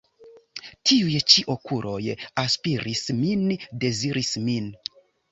Tiuj ĉi okuloj aspiris min, deziris min.